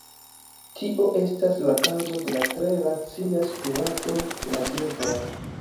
Tio estas la kaŭzo de la tre racia spirado de la birdoj.